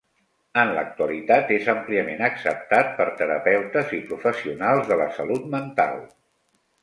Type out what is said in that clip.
En l'actualitat, és àmpliament acceptat per terapeutes i professionals de la salut mental.